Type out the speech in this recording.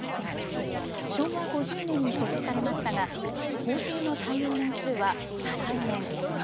昭和５０年に設置されましたが、法定の耐用年数は再来年。